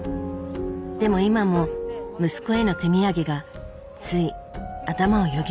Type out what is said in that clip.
でも今も息子への手土産がつい頭をよぎるみたい。